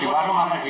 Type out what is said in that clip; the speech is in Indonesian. di warung atau di